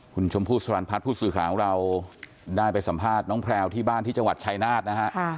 คุณชมพู่สรรพัฒน์ผู้สื่อข่าวของเราได้ไปสัมภาษณ์น้องแพลวที่บ้านที่จังหวัดชายนาฏนะฮะ